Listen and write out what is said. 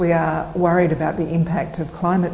kita khawatir tentang kesan perubahan klimat